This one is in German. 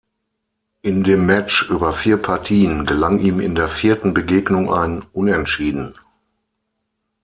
In dem Match über vier Partien gelang ihm in der vierten Begegnung ein Unentschieden.